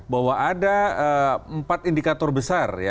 bahwa ada empat indikator besar